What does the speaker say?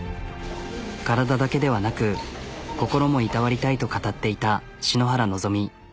体だけではなく心もいたわりたいと語っていた篠原希。